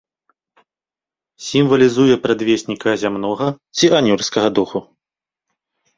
Сімвалізуе прадвесніка зямнога ці анёльскага духу.